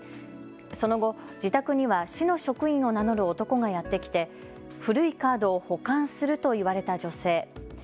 その後、自宅には市の職員を名乗る男がやって来て古いカードを保管すると言われた女性。